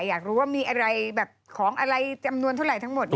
อยากรู้ว่ามีอะไรแบบของอะไรจำนวนเท่าไหร่ทั้งหมด